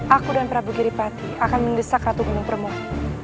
aku dan prabu giripati akan mendesak ratu gunung permoh